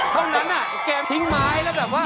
เท่านั้นอ่ะเกมทิ้งไม้แล้วแบบว่า